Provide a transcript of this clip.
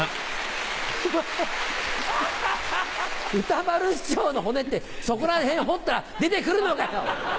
歌丸師匠の骨ってそこら辺掘ったら出て来るのかよ？